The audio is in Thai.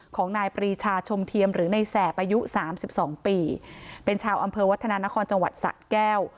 ของนายปรีชาชมเทียมหรือในแสบอายุสามสิบสองปีเป็นชาวอำเภอวัฒนานครจังหวัดสะแก้ว